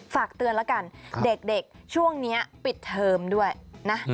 ฝากเตือนแล้วกันเด็กช่วงนี้ปิดเทอมด้วยนะ